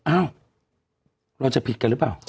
อ้าวเราจะผิดกันหรือเปล่า